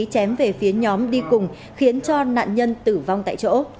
chém về phía nhóm đi cùng khiến cho nạn nhân tử vong tại chỗ